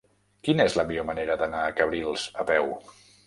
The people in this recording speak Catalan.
Quina és la millor manera d'anar a Cabrils a peu?